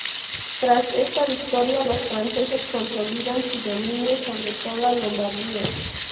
Tras esta victoria, los franceses consolidan su dominio sobre toda Lombardía.